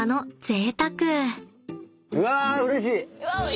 うわうれしい。